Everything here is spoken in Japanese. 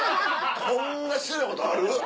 こんな失礼なことある？